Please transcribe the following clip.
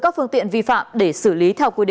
các phương tiện vi phạm để xử lý theo quy định